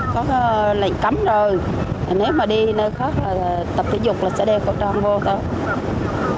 có lệnh cấm rồi nếu mà đi nơi khác tập thể dục là sẽ đeo khẩu trang vô thôi